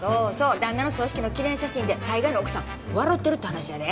旦那の葬式の記念写真で大概の奥さん笑うてるって話やで。